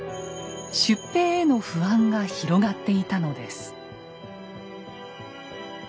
出兵への不安が広がっていたのです。